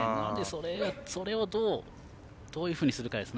それをどういうふうにするかですね。